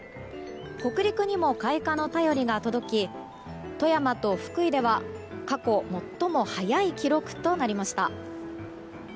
北陸にも開花の便りが届き富山と福井では過去最も早い記録となりました。